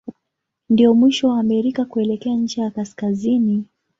Ndio mwisho wa Amerika kuelekea ncha ya kaskazini.